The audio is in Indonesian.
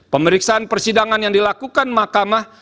pemeriksaan persidangan yang dilakukan mahkamah